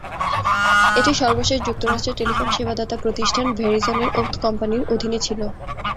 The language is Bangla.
এটি সর্বশেষ যুক্তরাষ্ট্রের টেলিকম সেবাদাতা প্রতিষ্ঠান ভেরিজনের ওথ কোম্পানির অধীনে ছিল।